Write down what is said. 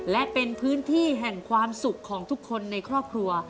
และเป็นพื้นที่แห่งความสุขของทุกคนในครอบครัว